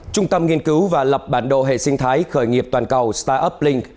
trung tâm nghiên cứu và lập bản độ hệ sinh thái khởi nghiệp toàn cầu startuplink